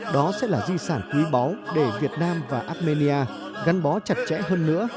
đó sẽ là di sản quý báu để việt nam và armenia gắn bó chặt chẽ hơn nữa